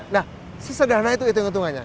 nah sesederhana itu yang untungannya